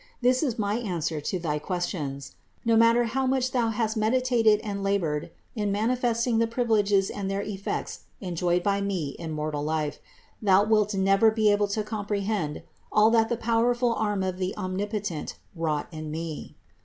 This is my answer to thy questions. No matter how much thou hast meditated and labored in manifesting the privileges and their effects enjoyed by me in mortal life, thou wilt never be able to comprehend all that the powerful arm of the Omnipotent wrought in me.